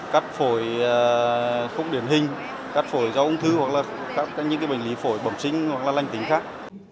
cắt phổi khúc điển hình cắt phổi do ung thư hoặc là những bệnh lý phổi bẩm sinh hoặc là lành tính khác